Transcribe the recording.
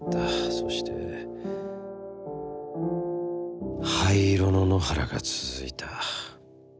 そして灰色の野原がつづいた。